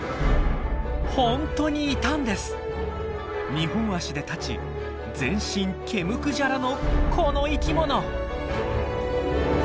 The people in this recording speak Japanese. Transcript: ２本足で立ち全身毛むくじゃらのこの生きもの。